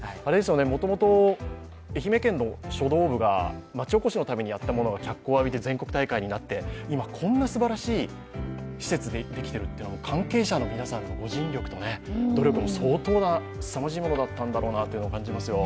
もともと、愛媛県の書道部が町おこしのためにやったものが、脚光を浴びて全国大会になって、今、こんなすばらしい施設でできているというのは関係者の皆さんのご尽力と努力もすさまじいものだったんだなと感じますよ。